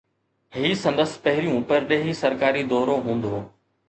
هي سندس پهريون پرڏيهي سرڪاري دورو هوندو